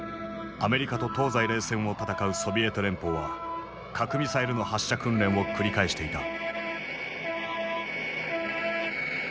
アメリカと東西冷戦を戦うソビエト連邦は核ミサイルの発射訓練を繰り返していた。